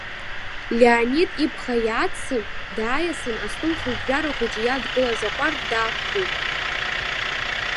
Леонид ибӷа иааҵсын, дааиасын, астол хыжәжәара хәыҷы иадгылаз аҟәардә даақәтәеит.